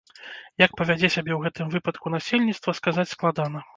Як павядзе сябе ў гэтым выпадку насельніцтва, сказаць складана.